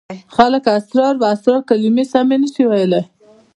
خلک اسرار او اصرار کلمې سمې نشي ویلای.